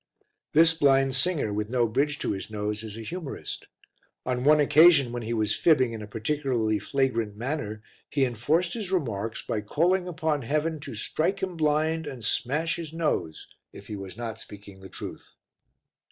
This blind singer with no bridge to his nose is a humorist; on one occasion when he was fibbing in a particularly flagrant manner, he enforced his remarks by calling upon heaven to strike him blind and smash his nose if he was not speaking the truth.